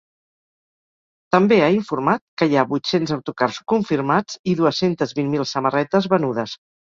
També ha informat que hi ha vuit-cents autocars confirmats i dues-centes vint mil samarretes venudes.